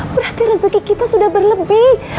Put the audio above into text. berarti rezeki kita sudah berlebih